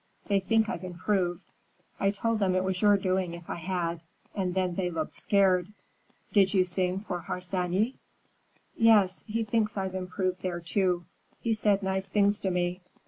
They think I've improved. I told them it was your doing if I had, and then they looked scared." "Did you sing for Harsanyi?" "Yes. He thinks I've improved there, too. He said nice things to me.